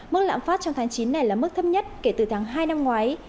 mức lạm phát trong tháng chín này là mức thấp nhất kể từ tháng hai năm ngoái